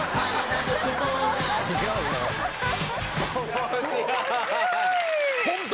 面白い！